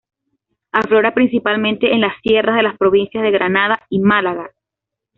Aflora principalmente en las sierras de las provincias de Granada y Málaga.